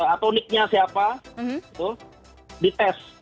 atau nick nya siapa gitu dites